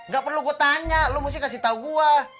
gak perlu gua tanya lo mesti kasih tau gua